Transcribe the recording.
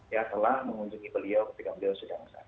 ya telah mengunjungi beliau ketika beliau sudah nangis